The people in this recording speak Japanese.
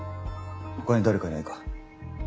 ほかに誰かいないか？